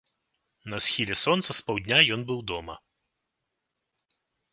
На схіле сонца з паўдня ён быў дома.